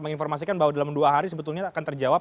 menginformasikan bahwa dalam dua hari sebetulnya akan terjawab